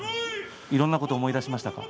いろんなことを思い出しましたか？